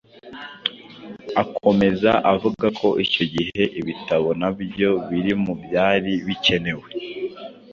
Akomeza avuga ko icyo gihe ibitabo na byo biri mu byari bikenewe